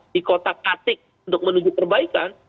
dikotak katik untuk menuju perbaikan